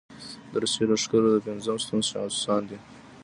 د روسي لښکرو د پېنځم ستون جاسوسان دي.